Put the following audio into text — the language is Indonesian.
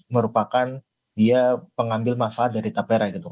merupakan dia pengambil manfaat dari tapera gitu